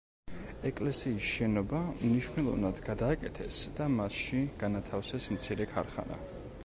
ეკლესიის შენობა მნიშვნელოვნად გადააკეთეს და მასში განათავსეს მცირე ქარხანა.